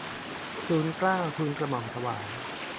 ทูลเกล้าทูลกระหม่อมถวาย